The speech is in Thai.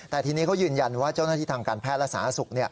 แต่ทีนี้เขายืนยันว่าเจ้าหน้าที่ทางการแพทย์และสาธารณสุข